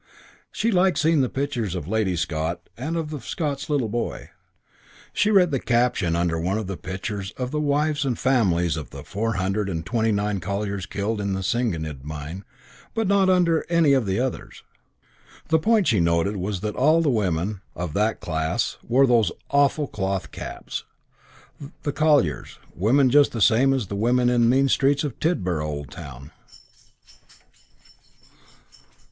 She liked seeing the pictures of Lady Scott and of Scott's little boy. She read the caption under one of the pictures of the wives and families of the four hundred and twenty nine colliers killed in the Senghenydd mine, but not under any of the others. The point she noted was that all the women "of that class" wore "those awful cloth caps", the colliers' women just the same as the women in the mean streets of Tidborough Old Town.